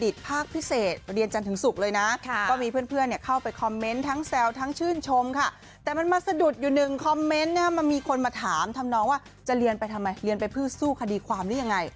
ถามทำน้องว่าจะเรียนไปทำไมเรียนไปภูติสู้คดีความหรือยังไง